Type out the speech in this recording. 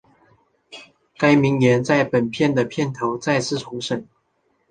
该名言在本片的片头再次重申。